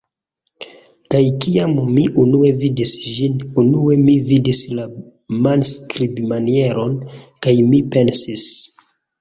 Kaj kiam mi unue vidis ĝin, unue mi vidis la manskribmanieron, kaj mi pensis: